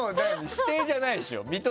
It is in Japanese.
指定じゃないでしょ？